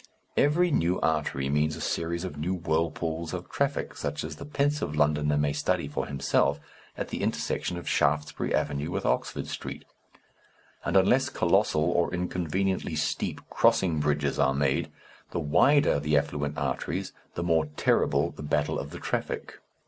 Now, every new artery means a series of new whirlpools of traffic, such as the pensive Londoner may study for himself at the intersection of Shaftesbury Avenue with Oxford Street, and unless colossal or inconveniently steep crossing bridges are made, the wider the affluent arteries the more terrible the battle of the traffic.